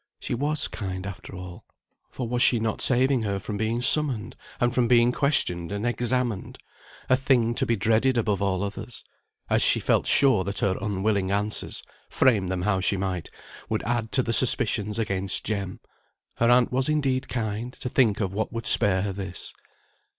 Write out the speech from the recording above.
She was kind after all, for was she not saving her from being summoned, and from being questioned and examined; a thing to be dreaded above all others: as she felt sure that her unwilling answers, frame them how she might, would add to the suspicions against Jem; her aunt was indeed kind, to think of what would spare her this.